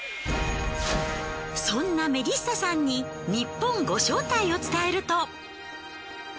そんなメリッサさんにニッポンご招待を伝えると。